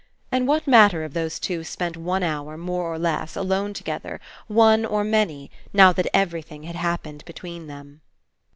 And what matter if those two spent one hour, more or less, alone together, one or many, now that everything had happened between them?